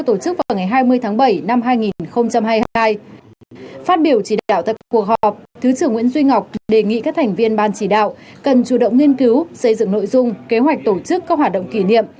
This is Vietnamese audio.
thứ trưởng nguyễn duy ngọc đề nghị các thành viên ban chỉ đạo cần chủ động nghiên cứu xây dựng nội dung kế hoạch tổ chức các hoạt động kỷ niệm